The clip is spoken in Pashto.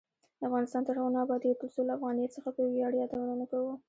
افغانستان تر هغو نه ابادیږي، ترڅو له افغانیت څخه په ویاړ یادونه نه کوو.